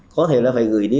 có thể là phải gửi đi